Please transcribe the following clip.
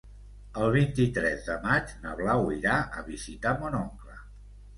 El vint-i-tres de maig na Blau irà a visitar mon oncle.